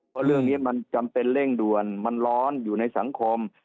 เพราะเรื่องนี้มันจำเป็นเร่งด่วนมันร้อนอยู่ในสังคม